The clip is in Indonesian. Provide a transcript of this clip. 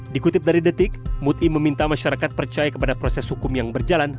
dikutip dari detik muti meminta masyarakat percaya kepada proses hukum yang berjalan